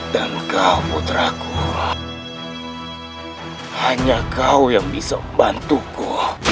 dan kau putraku hanya kau yang bisa membantuku